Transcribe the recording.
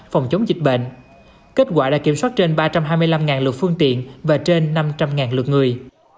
phòng chống dịch bệnh kết quả đã kiểm soát trên ba trăm hai mươi năm lượt phương tiện và trên năm trăm linh lượt người